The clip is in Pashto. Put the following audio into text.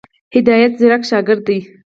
هدایت ځيرک شاګرد دی.